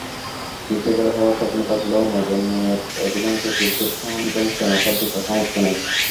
Cricketer হওয়ার স্বপ্ন থাকলেও নয়জন মেয়ের অধিকাংশেরই ক্রিকেট সরঞ্জাম কেনার সাধ্য-সামর্থ্য নেই।